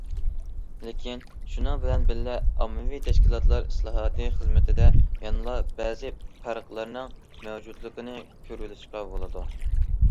لېكىن شۇنىڭ بىلەن بىللە، ئاممىۋى تەشكىلاتلار ئىسلاھاتى خىزمىتىدە يەنىلا بەزى پەرقلەرنىڭ مەۋجۇتلۇقىنى كۆرۈۋېلىشقا بولىدۇ.